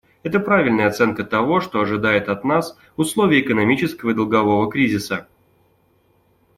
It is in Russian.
Это правильная оценка того, что ожидается от нас условиях экономического и долгового кризиса.